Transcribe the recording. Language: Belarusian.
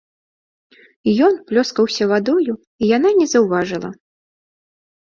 Ён плёскаўся вадою, і яна не заўважыла.